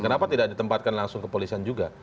kenapa tidak ditempatkan langsung kepolisian juga